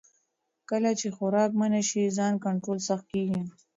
کله چې خوراک منع شي، ځان کنټرول سخت کېږي.